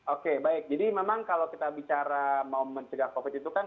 oke baik jadi memang kalau kita bicara mau mencegah covid itu kan